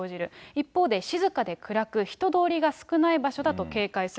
一方で静かで暗く、人通りが少ない場所だと警戒する。